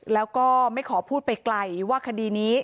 แล้วก็ไม่ขอพูดไปไกลว่าคดีนี้